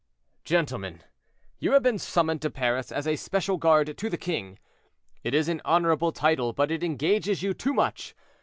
"Gentlemen, you have been summoned to Paris as a special guard to the king; it is an honorable title, but it engages you to much.